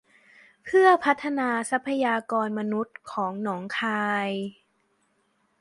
เพื่อพัฒนาทรัพยากรมนุษย์ของหนองคาย